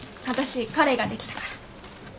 わたし彼ができたから。